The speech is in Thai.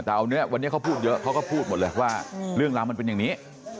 แต่วันนี้วันนี้เขาพูดเยอะเขาก็พูดหมดเลยว่าเรื่องราวมันเป็นอย่างนี้